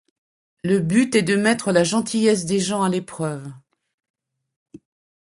Le but est de mettre la gentillesse des gens à l'épreuve.